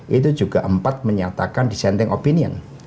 itu juga empat menyatakan dissenting opinion